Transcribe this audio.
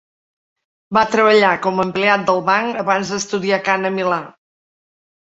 Va treballar com a empleat del banc abans d'estudiar cant a Milà.